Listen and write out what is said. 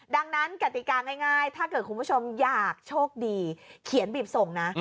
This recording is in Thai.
ดังนั้นกติกาง่ายถ้าเกิดคุณผู้ชมอยากโชคดีเขียนบีบส่งนะ